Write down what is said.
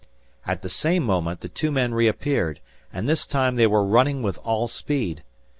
At the same moment, the two men reappeared, and this time they were running with all speed.